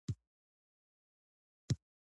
بدرنګي بد دی.